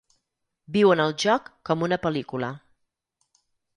Viuen el joc com una pel·lícula.